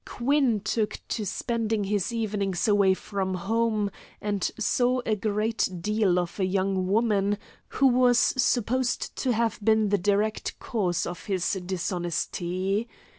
Quinn took to spending his evenings away from home, and saw a great deal of a young woman who was supposed to have been the direct cause of his dishonesty.